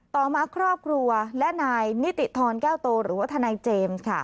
ต่อมาครอบครัวและนายนิติธรแก้วโตหรือว่าทนายเจมส์ค่ะ